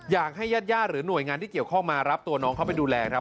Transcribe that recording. อยากให้ญาติญาติหรือหน่วยงานที่เกี่ยวข้องมารับตัวน้องเข้าไปดูแลครับ